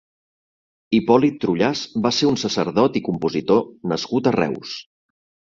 Hipòlit Trullàs va ser un sacerdot i compositor nascut a Reus.